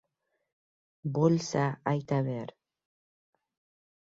Bo‘lsa, ayta ber.